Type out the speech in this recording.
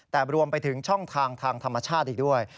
แต่รวมไปถึงช่องทางทางธรรมชาติอีกด้วย